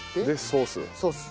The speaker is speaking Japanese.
ソース。